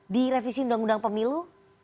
di revisi undang undang pemilu